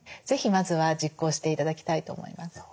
是非まずは実行して頂きたいと思います。